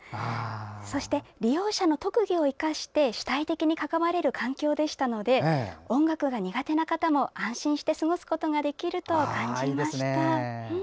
そして利用者の特技を生かして主体的にかかわれる環境でしたので音楽が苦手な方も安心して過ごすことができると感じました。